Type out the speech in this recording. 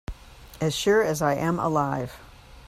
As sure as I am alive.